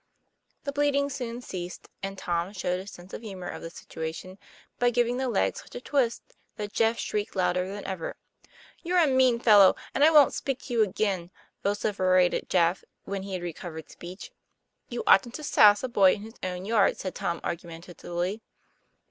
The bleeding soon ceased, and Tom showed his sense of the humor of the situa tion by giving the leg such a twist that Jeff shrieked louder than ever. 'You're a. mean fellow, and I wont speak to you again," vociferated Jeff when he had recovered speech. ' You oughtn't to sass a boy in his own yard," said Tom argumentatively.